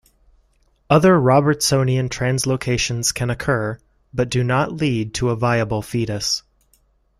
Other Robertsonian translocations can occur, but do not lead to a viable fetus.